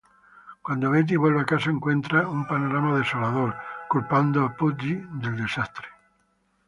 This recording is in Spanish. Cuando Betty vuelve a casa, encuentra un panorama desolador, culpando a Pudgy del desastre.